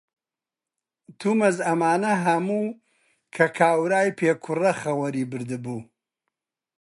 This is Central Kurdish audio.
تومەز ئەمانە هەموو کە کاورای پێکوڕە خەوەری بردبوو،